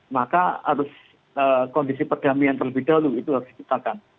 maka harus kondisi perdamaian terlebih dahulu itu harus diciptakan